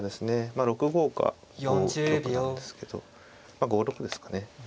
まあ６五か５六なんですけど５六ですかね。